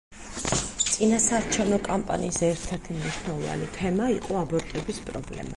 წინასაარჩევნო კამპანიის ერთ-ერთი მნიშვნელოვანი თემა იყო აბორტების პრობლემა.